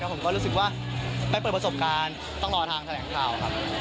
ครับผมก็รู้สึกว่าไปเปิดประสบการณ์ตั้งหลัวทางแสดงข่าวครับ